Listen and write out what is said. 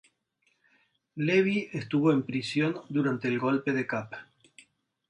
Levi estuvo en prisión durante el Golpe de Kapp.